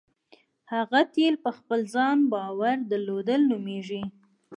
هغه تیل په خپل ځان باور درلودل نومېږي.